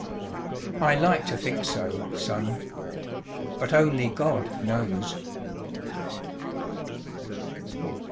"I like to think so, Son. But only God knows."